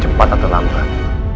cepat atau lambat